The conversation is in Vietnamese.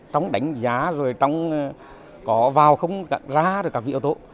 trong đánh giá rồi trong có vào không đặt ra rồi cả vị ưu tố